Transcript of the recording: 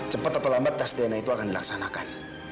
cepat atau lambat tes dna itu akan dilaksanakan